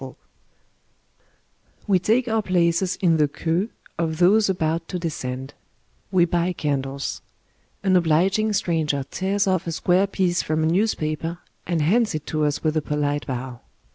THE CATACOMBS OF PARIS 125 We take our places in the queue of those about to de scend. We buy candles. An obliging stranger tears oS a square piece from a newspaper and hands it to us with a polite bow.